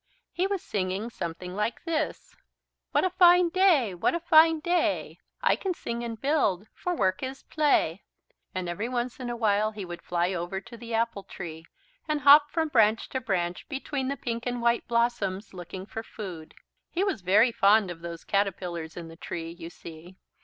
He was singing something like this: "What a fine day, what a fine day. I can sing and build, for work is play." And every once in a while he would fly over to the apple tree and hop from branch to branch between the pink and white blossoms, looking for food. He was very fond of those caterpillars in the tree, you see.